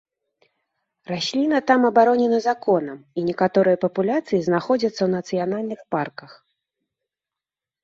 Расліна там абаронена законам, і некаторыя папуляцыі знаходзяцца ў нацыянальных парках.